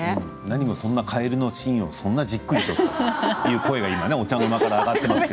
何もそんなカエルのシーンをそんなにじっくりとという声がお茶の間から上がっています。